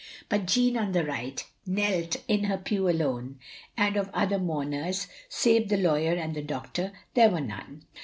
But Jeanne, on the right, knelt in her pew alone, and of other mourners, save the lawyer and the doctor, there were none.